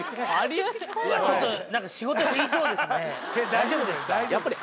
大丈夫ですか？